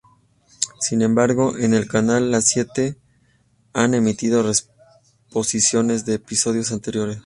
Sin embargo, en el canal La Siete han emitido reposiciones de episodios anteriores.